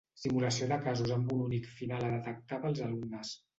Simulació de casos amb un únic final a detectar pels alumnes.